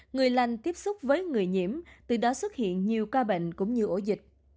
nên tiếp xúc với người nhiễm từ đó xuất hiện nhiều ca bệnh cũng như ổ dịch